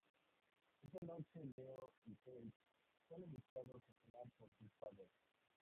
Esa noche Leo y Paige son invitados a cenar por sus padres.